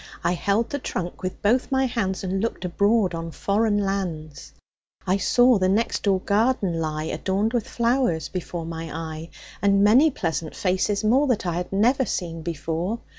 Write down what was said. I held the trunk with both my hands And looked abroad on foreign lands. I saw the next door garden lie, Adorned with flowers, before my eye, And many pleasant faces more That I had never seen before.